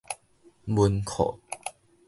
文庫